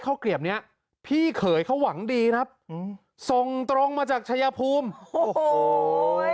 เข้าเกลียบเนี้ยพี่เขาก็หวังดีนะส่งตรงมาจากชะยภูมิ